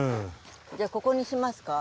じゃあここにしますか？